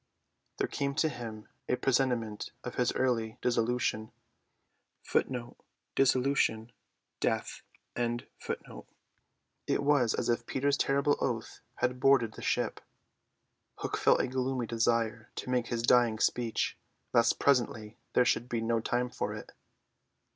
There came to him a presentiment of his early dissolution. It was as if Peter's terrible oath had boarded the ship. Hook felt a gloomy desire to make his dying speech, lest presently there should be no time for it.